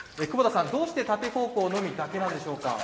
久保田さんどうして縦方向のみだけなんでしょうか。